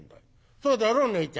そうだろ？ねえちゃん」。